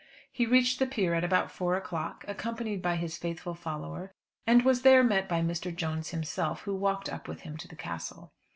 He reached the pier at about four o'clock, accompanied by his faithful follower, and was there met by Mr. Jones himself, who walked up with him to the Castle.